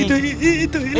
itu itu ini